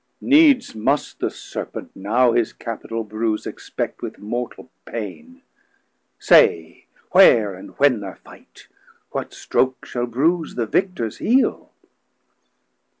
Needs must the Serpent now his capital bruise Expect with mortal paine: say where and when Thir fight, what stroke shall bruise the Victors heel.